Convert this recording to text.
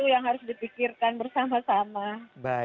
yang harus dipikirkan bersama sama